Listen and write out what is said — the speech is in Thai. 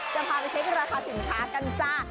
จะพาไปเช็คราคาสินค้ากันจ้า